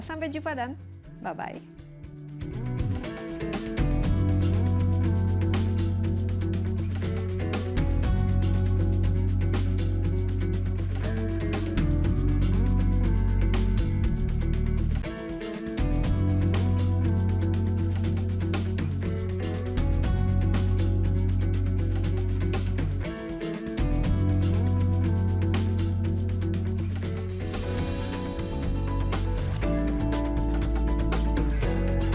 sampai jumpa dan bye bye